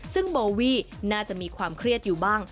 ซึ่งโบวี่น่าจะมีความเครียดอยู่บ้าง